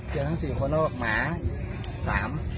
เจอทั้ง๔คนแล้วหมา๓ตัว๖อยู่